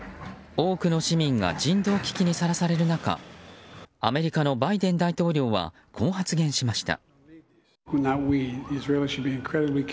多くの市民が人道危機にさらされる中アメリカのバイデン大統領はこう発言しました。